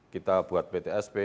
kita buat ptsp